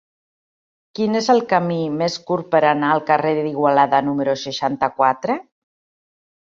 Quin és el camí més curt per anar al carrer d'Igualada número seixanta-quatre?